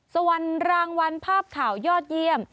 ส่วนรางวัลภาพข่าวยอดเยี่ยม